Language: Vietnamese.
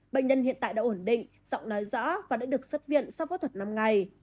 bệnh nhân hiện tại đã ổn định giọng nói rõ và đã được xuất viện sau phẫu thuật năm ngày